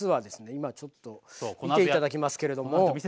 今ちょっと見て頂きますけれども。